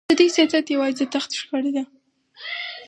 د دوی سیاست یوازې د تخت شخړه ده.